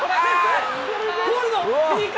ポールの右か？